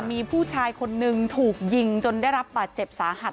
มีผู้ชายคนนึงถูกยิงจนได้รับบาดเจ็บสาหัส